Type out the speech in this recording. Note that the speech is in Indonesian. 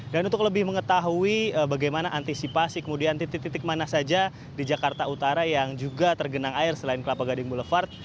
dan untuk lebih mengetahui bagaimana antisipasi kemudian titik titik mana saja di jakarta utara yang juga tergenang air selain kelapa gading boulevard